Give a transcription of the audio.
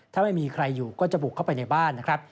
ถ้าไม่มีใครอยู่ก็จะบุกเข้าไปในบ้านนะครับ